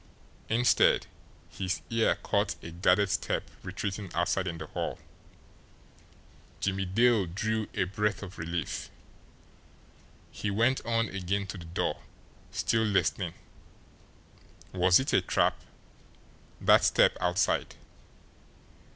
Instead, his ear caught a guarded step retreating outside in the hall. Jimmie Dale drew a breath of relief. He went on again to the door, still listening. Was it a trap that step outside?